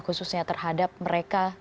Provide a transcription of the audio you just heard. khususnya terhadap mereka